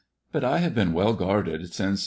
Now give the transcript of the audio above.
But I have been well guarded since .